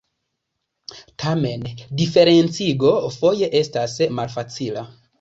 Tamen diferencigo foje estas malfacila.